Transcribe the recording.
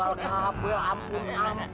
waktu mual kabel ampun ampun